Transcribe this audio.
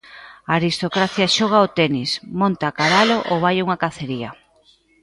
A aristocracia xoga ao tenis, monta ao cabalo ou vai a unha cacería.